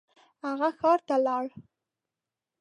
هغه ښار ته لاړ.